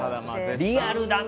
リアルだね。